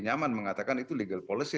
nyaman mengatakan itu legal policy